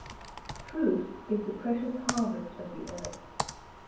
Truth is the precious harvest of the earth.